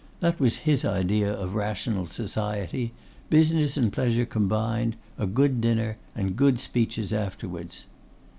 That was his idea of rational society; business and pleasure combined; a good dinner, and good speeches afterwards.